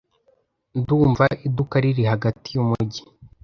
Ndumva iduka riri hagati yumujyi.